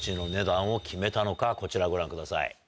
こちらをご覧ください。